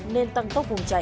nên tăng tốc vùng chạy